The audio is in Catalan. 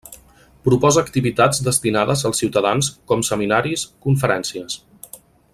Proposa activitats destinades als ciutadans com seminaris, conferències.